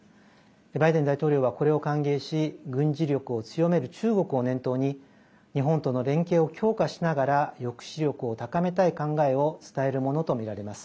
バイデン大統領は、これを歓迎し軍事力を強める中国を念頭に日本との連携を強化しながら抑止力を高めたい考えを伝えるものとみられます。